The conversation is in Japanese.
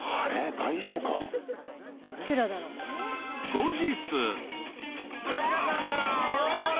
［後日］